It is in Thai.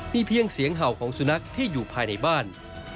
มีเพียงเสียงเห่าของสุนัขที่อยู่ภายในบ้าน